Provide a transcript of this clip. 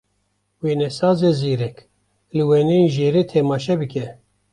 Wênesazê zîrek, li wêneyên jêrê temaşe bike.